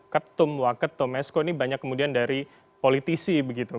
ketum waket domesko ini banyak kemudian dari politisi begitu